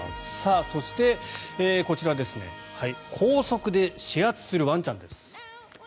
そして、こちら高速で指圧するワンちゃんです。